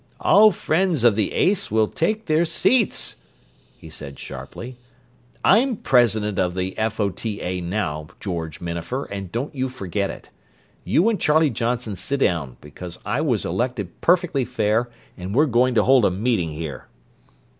"All Friends of the Ace will take their seats!" he said sharply. "I'm president of the F. O. T. A. now, George Minafer, and don't you forget it! You and Charlie Johnson sit down, because I was elected perfectly fair, and we're goin' to hold a meeting here."